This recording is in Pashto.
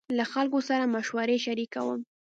له خلکو سره مشورې شريکوم.